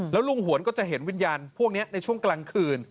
แล้วลุงหวนก็จะเห็นวิญญาณพวกนี้ในช่วงกลางคืน